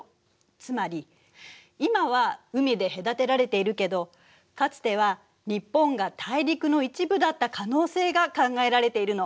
つまり今は海で隔てられているけどかつては日本が大陸の一部だった可能性が考えられているの。